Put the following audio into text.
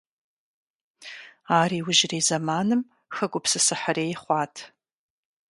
Ар иужьрей зэманым хэгупсысыхьрей хъуат.